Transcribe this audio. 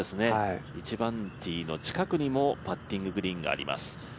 １番ティーの近くにもパッティンググリーンがあります。